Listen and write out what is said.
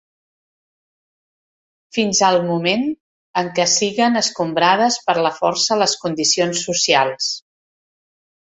Fins al moment en què siguen escombrades per la força les condicions socials.